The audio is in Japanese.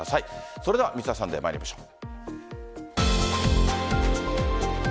それでは「Ｍｒ．サンデー」参りましょう。